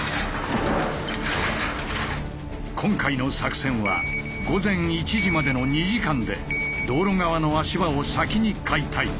今回の作戦は午前１時までの２時間で道路側の足場を先に解体。